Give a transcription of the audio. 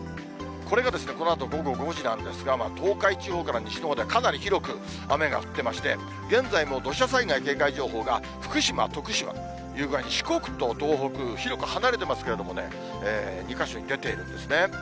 これがこのあと午後５時なんですが、東海地方から西のほうではかなり広く雨が降ってまして、現在も土砂災害警戒情報が、福島、徳島という具合に、四国と東北、広く離れてますけれどもね、２か所に出ているんですね。